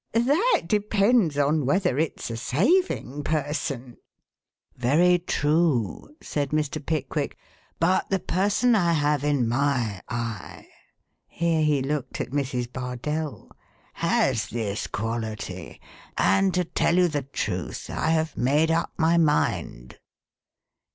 "That depends on whether it's a saving person." "Very true," said Mr. Pickwick, "but the person I have in my eye" here he looked at Mrs. Bardell "has this quality. And to tell you the truth, I have made up my mind."